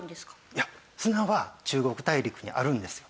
いや砂は中国大陸にあるんですよ。